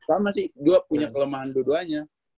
sama sih dua punya kelemahan dua duanya